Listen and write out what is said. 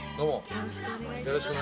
よろしくお願いします。